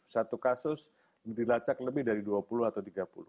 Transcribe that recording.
satu kasus dilacak lebih dari dua puluh atau tiga puluh